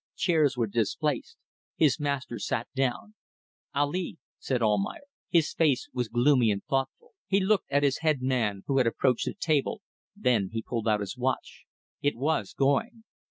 Chairs were displaced. His master sat down. "Ali," said Almayer. His face was gloomy and thoughtful. He looked at his head man, who had approached the table, then he pulled out his watch. It was going.